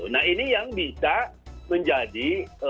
nah ini yang bisa menjadi